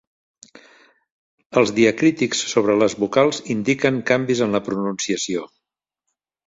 Els diacrítics sobre les vocals indiquen canvis en la pronunciació.